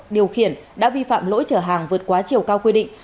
điều khiển đã vi phạm lỗi chở hàng vượt quá chiều cao quy định